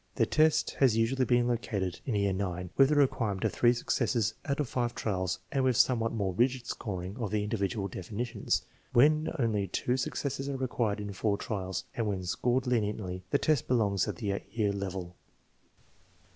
The test has usually been located in year IX, with the requirement of three successes out of five trials and with somewhat more rigid scoring of the individual definitions. When only two successes are required in four trials, and when scored leniently, the test belongs at the 8 year level.